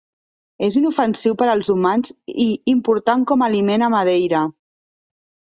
És inofensiu per als humans i important com a aliment a Madeira.